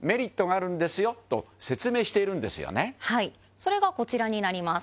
それがこちらになります。